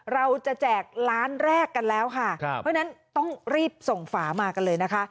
แจกล้านแรกกันแล้วค่ะเพราะฉะนั้นต้องรีบส่งฝามากันเลยนะคะ